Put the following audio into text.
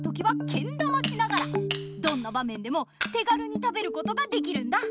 どんな場めんでも手がるに食べることができるんだ！